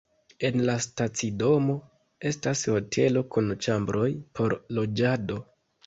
En la stacidomo estas hotelo kun ĉambroj por loĝado.